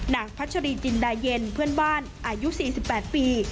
นางพัชรีจินดาเย็นเพื่อนบ้านอายุสี่สิบแปดปี